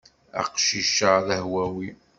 Aqcic-a d ahwawi.